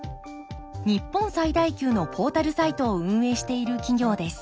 日本最大級のポータルサイトを運営している企業です。